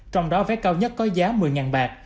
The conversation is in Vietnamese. trong đó vé cao nhất có giá một mươi bạc